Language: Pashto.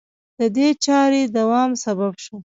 د دې چارې دوام سبب شو